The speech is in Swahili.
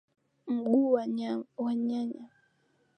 Mguu wa nyanya.